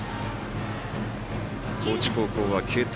高知高校は、継投。